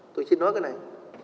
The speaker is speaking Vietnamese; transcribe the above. tôi xin nói cái này